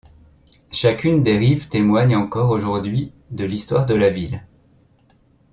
Chacune des rives témoigne encore aujourd'hui de l'histoire de la ville.